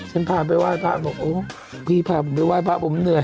ฉันพาไปว่ายพ่าบอกโอ้พี่พาผมไปว่ายพ่าผมเหนื่อย